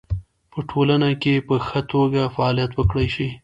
په ټولنه کې په خه توګه فعالیت وکړی شي